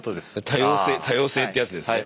多様性多様性ってやつですね。